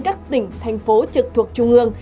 các tỉnh thành phố trực thuộc trung ương